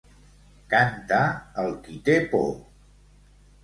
Canta el qui té por.